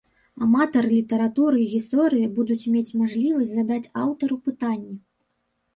Аматары літаратуры і гісторыі будуць мець мажлівасць задаць аўтару пытанні.